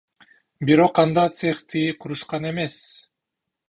Бирок анда цехти курушкан эмес.